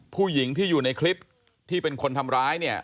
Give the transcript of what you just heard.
ผู้หญิงที่อยู่ในคลิปที่เป็นคนทำร้ายเนี่ย